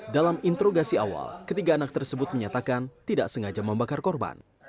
dalam introgasi awal ketiga anak tersebut menyatakan tidak sengaja membakar korban